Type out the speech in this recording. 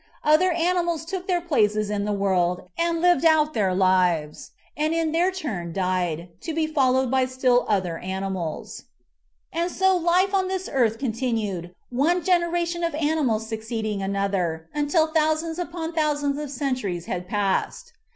Other animals took their places in the world and lived out their lives, and in their turn died, to be followed by still other animals. And A DINOSAUR BURIED IN THE ROCK 35 so life on this earth continued, one generation of animals succeeding another, until thousands upon thousands of centuries had passed.